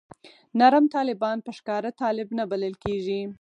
نرم طالبان په ښکاره طالب نه بلل کېږي.